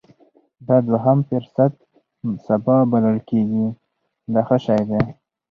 دا دوهم فرصت سبا بلل کېږي دا ښه شی دی.